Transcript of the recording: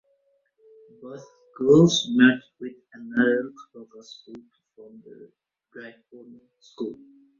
Both schools merged with another local school to form The Gryphon School.